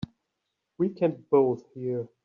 We can both hear.